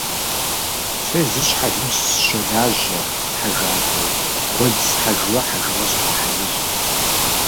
Сэ езыр щхьэлым сыщолажьэ хьэжакӏуэу, гуэдз схьэжурэ хэжыгъэ согъэхьэзыр.